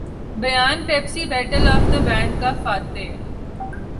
بیان Pepsi battle of the bands کا فاتح